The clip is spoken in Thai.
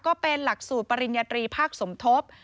ก็เป็นหลักสูตรปริญญาตรีภาคสมทบ